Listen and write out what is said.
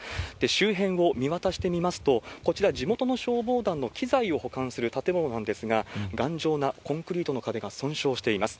周辺を見渡してみますと、こちら、地元の消防団の機材を保管する建物なんですが、頑丈なコンクリートの壁が損傷しています。